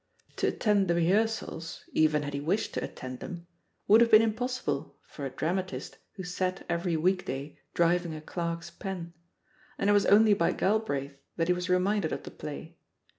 To attend the rehearsals, even had he wished to at tend them, would have been impossible for a dramatist who sat every week day driving a clerk's pen, and it was only by Galbraith that he was reminded of the play.